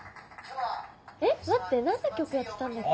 えっ待って何の曲やってたんだっけ？